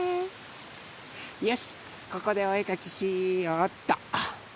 よしここでおえかきしようっと。